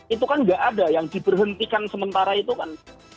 itu kan tidak ada yang diperhentikan sementara itu kan